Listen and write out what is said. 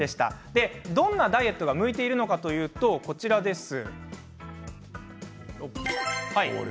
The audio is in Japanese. どんなダイエットが向いているのかというとこちらです。